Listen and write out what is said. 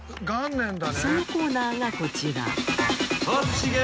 そのコーナーがこちら。